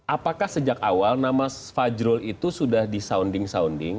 apakah sejak awal nama fajrul itu sudah di sounding sounding